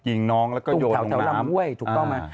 ยิงน้องแล้วก็โยนตรงน้ำ